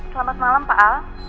selamat malam pak al